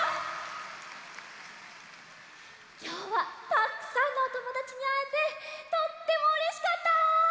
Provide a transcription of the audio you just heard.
きょうはたくさんのおともだちにあえてとってもうれしかった！